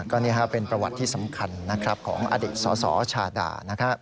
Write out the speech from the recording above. ก็นี่เป็นประวัติที่สำคัญของอเด็กสาวชาดา